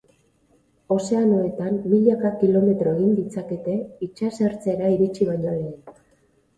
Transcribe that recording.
Ozeanoetan milaka kilometro egin ditzakete itsasertzera iritsi baino lehen.